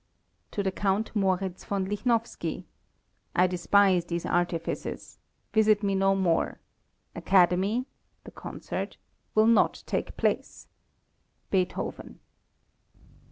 TO THE COUNT MORITZ VON LICHNOWSKY, I despise these artifices, visit me no more. Academy (the concert) will not take place. BEETHOVEN.